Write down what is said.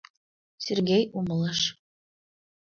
Сергей умылыш.